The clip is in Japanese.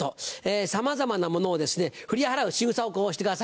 さまざまなものを振り払うしぐさをこうしてください。